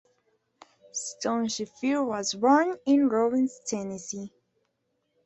Stonecipher was born in Robbins, Tennessee.